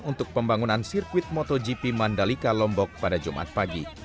untuk pembangunan sirkuit motogp mandalika lombok pada jumat pagi